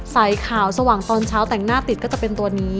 ใส่ขาวสว่างตอนเช้าแต่งหน้าติดก็จะเป็นตัวนี้